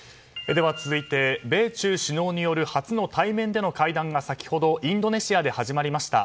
では、続いて米中首脳による初の対面での会談が先ほどインドネシアで始まりました。